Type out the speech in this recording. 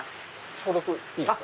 消毒いいですか？